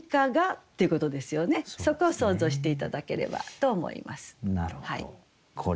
そこを想像して頂ければと思います。